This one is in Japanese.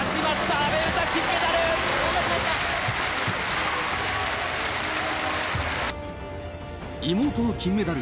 阿部詩、金メダル。